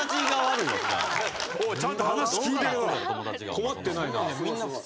困ってないな。